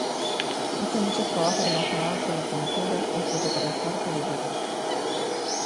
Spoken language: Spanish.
Hizo muchos trabajos relacionados con la pintura y foto-corrector de dibujo.